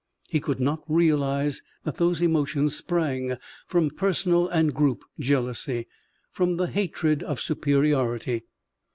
He could not realize that those emotions sprang from personal and group jealousy, from the hatred of superiority.